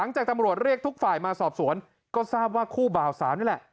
จากตำรวจเรียกทุกฝ่ายมาสอบสวนก็ทราบว่าคู่บ่าวสาวนี่แหละ